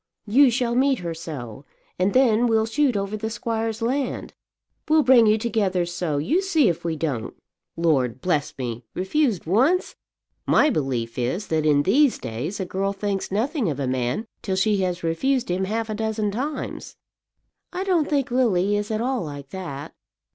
You shall meet her so; and then we'll shoot over the squire's land. We'll bring you together so; you see if we don't. Lord bless me! Refused once! My belief is, that in these days a girl thinks nothing of a man till she has refused him half a dozen times." "I don't think Lily is at all like that."